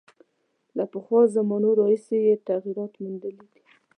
له پخوا زمانو راهیسې یې تغییرات میندلي دي.